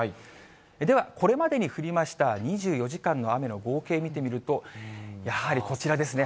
では、これまでに降りました、２４時間の雨の合計見てみると、やはりこちらですね。